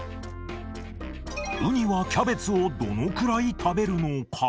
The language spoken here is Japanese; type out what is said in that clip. ウニはキャベツをどのくらい食べるのか。